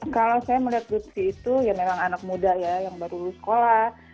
kalau saya melihat lutfi itu ya memang anak muda ya yang baru lulus sekolah